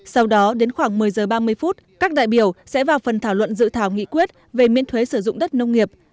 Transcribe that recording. sau đó đến khoảng một mươi giờ ba mươi phút các đại biểu sẽ vào phần thảo luận dự thảo nghị quyết về miễn thuế sử dụng đất nông nghiệp